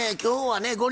今日はね